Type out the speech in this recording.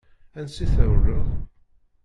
Ansa i trewleḍ?